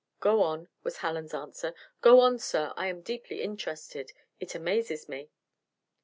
"Go on," was Hallen's answer; "go on, sir. I am deeply interested it amazes me."